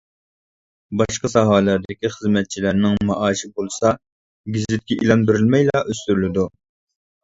باشقا ساھەلەردىكى خىزمەتچىلەرنىڭ مائاشى بولسا گېزىتكە ئېلان بېرىلمەيلا ئۆستۈرۈلىدۇ.